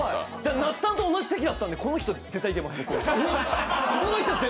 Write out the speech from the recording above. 那須さんと同じ席だったんで、この人、絶対いけます。